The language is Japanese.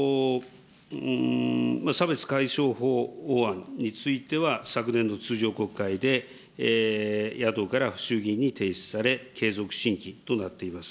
差別解消法案については、昨年の通常国会で野党から衆議院に提出され、継続審議となっています。